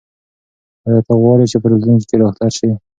ایا ته غواړې چې په راتلونکي کې ډاکټر شې؟